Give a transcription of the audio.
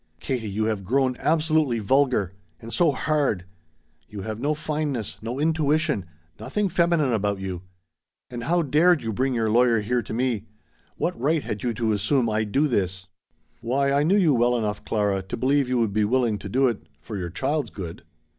"Katie, you have grown absolutely vulgar. And so hard. You have no fineness no intuition nothing feminine about you. And how dared you bring your lawyer here to me? What right had you to assume I'd do this?" "Why I knew you well enough, Clara, to believe you would be willing to do it for your child's good."